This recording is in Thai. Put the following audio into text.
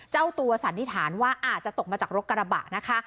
เจ้าตัวสันนิษฐานว่าอาจจะตกมาจากรถกระบะนะคะ